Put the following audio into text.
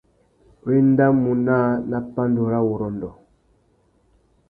Wa endamú naā nà pandúrâwurrôndô.